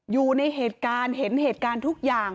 อยู่ในเหตุการณ์เห็นเหตุการณ์ทุกอย่าง